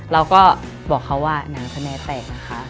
เราก็บอกเขาว่าน้ำแสนแตกนะคะ